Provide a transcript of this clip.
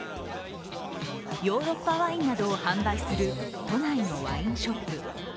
ヨーロッパワインなどを販売する都内のワインショップ。